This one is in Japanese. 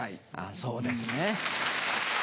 そうですね。